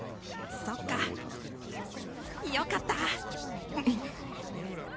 そっかよかった！